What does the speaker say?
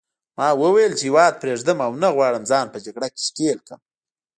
ما وویل چې هیواد پرېږدم او نه غواړم ځان په جګړه کې ښکېل کړم.